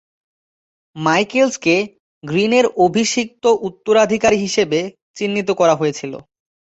মাইকেলসকে গ্রিনের অভিষিক্ত উত্তরাধিকারী হিসেবে চিহ্নিত করা হয়েছিল।